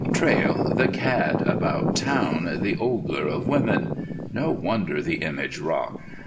Traill, the cad about town, the ogler of women! No wonder the image rocked.